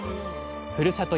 ふるさと